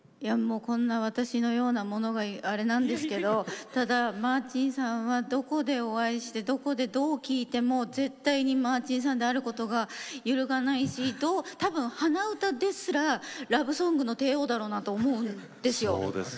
このような私が言うのもなんですけれどもマーチンさんはどこでお会いしても、どこでどう聴いても絶対にマーチンさんであることは揺るがないし多分、鼻歌ですらラブソングの帝王だろうなと思うんですよ。